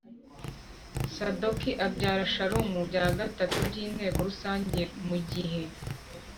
Sadoki abyara Shalumu bya gatatu by Inteko Rusange mu gihe